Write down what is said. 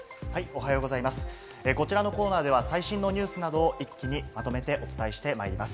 こちらのコーナーでは最新のニュースを一気にまとめてお伝えしていきます。